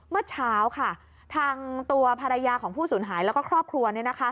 เมื่อเช้าค่ะทางตัวภรรยาของผู้สูญหายแล้วก็ครอบครัว